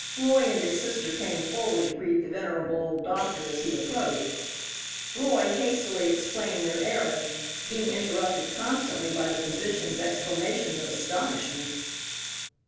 Roy and his sister came forward to greet the venerable old doctor as he approached. Roy hastily explained their errand, being interrupted constantly by the physician's exclamations of astonishment.